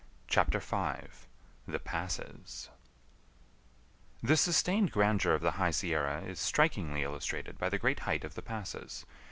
CHAPTER V THE PASSES The sustained grandeur of the High Sierra is strikingly illustrated by the great height of the passes.